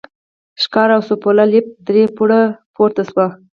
ښکار او سوفله، لېفټ درې پوړه پورته شو.